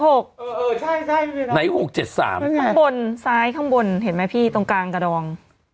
ไปบนซ้ายข้างบนเห็นไหมพี่ตรงกลางกระดอง